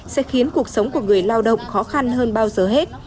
sẽ khiến cuộc sống của người lao động khó khăn hơn bao giờ hết